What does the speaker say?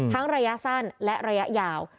ระยะสั้นและระยะยาว